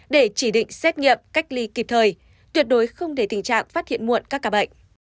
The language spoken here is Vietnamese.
để chỉ định xét nghiệm cách ly kịp thời tuyệt đối không để tình trạng phát hiện muộn các ca bệnh